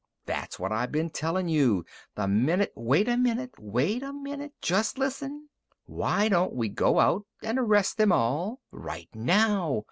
"That's what I've been tellin' you. The minute " "Wait a minute; wait a minute. Just listen. Why don't we just go out and arrest them all right now?